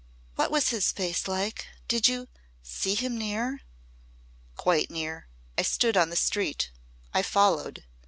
"What was his face like? Did you see him near?" "Quite near. I stood on the street. I followed.